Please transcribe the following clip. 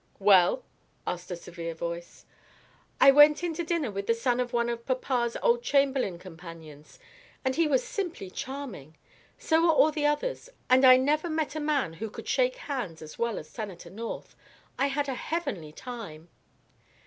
"Well?" asked a severe voice. "I went in to dinner with the son of one of papa's old Chamberlin companions, and he was simply charming. So were all the others, and I never met a man who could shake hands as well as Senator North. I had a heavenly time."